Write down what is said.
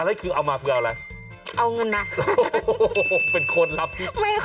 อะไรคือเอามาเพื่ออะไร